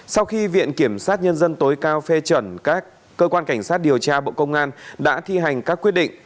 sau khi viện kiểm sát nhân dân tối cao phê chuẩn các cơ quan cảnh sát điều tra bộ công an đã thi hành các quyết định